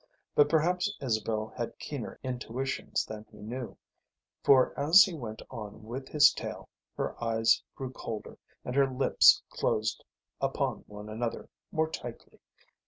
But perhaps Isabel had keener intuitions than he knew, for as he went on with his tale her eyes grew colder and her lips closed upon one another more tightly.